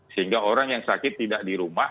sehingga orang yang sakit tidak di rumah